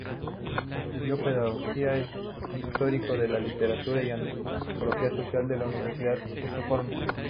Estudió pedagogía, historia de la literatura y antropología social en la universidad de Estocolmo.